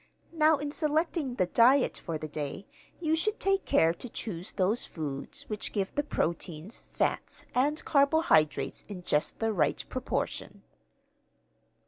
Now in selecting the diet for the day you should take care to choose those foods which give the proteins, fats, and carbohydrates in just the right proportion.'"